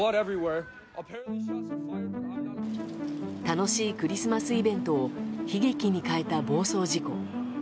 楽しいクリスマスイベントを悲劇に変えた暴走事故。